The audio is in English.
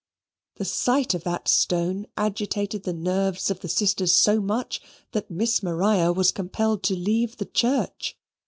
The sight of that stone agitated the nerves of the sisters so much, that Miss Maria was compelled to leave the church.